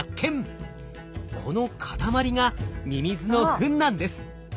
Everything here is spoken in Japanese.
この塊がミミズのフンなんです。